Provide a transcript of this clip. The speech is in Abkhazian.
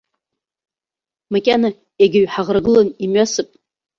Макьана иагьаҩ ҳаӷрагылан имҩасып.